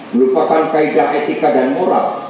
merupakan kaedah etika dan moral